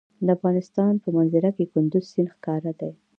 د افغانستان په منظره کې کندز سیند ښکاره دی.